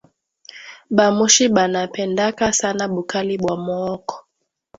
Ba mushi bana pendaka sana bukali bwa mooko